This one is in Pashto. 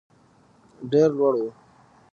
ډېر لوړ وو.